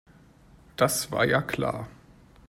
Das war ja klar.